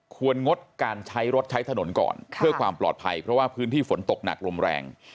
งดการใช้รถใช้ถนนก่อนเพื่อความปลอดภัยเพราะว่าพื้นที่ฝนตกหนักลมแรง